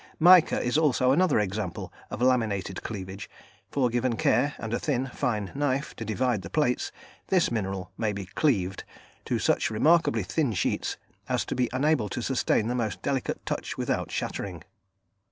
Mica is also another example of laminated cleavage, for given care, and a thin, fine knife to divide the plates, this mineral may be "cleaved" to such remarkably thin sheets as to be unable to sustain the most delicate touch without shattering.